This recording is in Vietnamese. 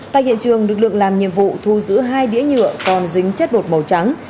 tại hiện trường lực lượng làm nhiệm vụ thu giữ hai đĩa nhựa còn dính chất bột màu trắng